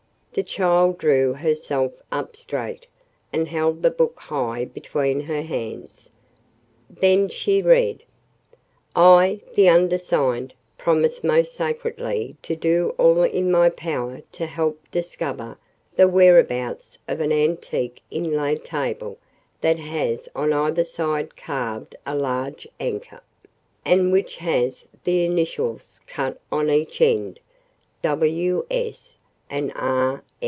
The child drew herself up straight, and held the book high between her hands. Then she read "'I, the undersigned, promise most sacredly to do all in my power to help discover the whereabouts of an antique inlaid table that has on either side carved a large anchor, and which has the initials cut on each end, W. S. and R.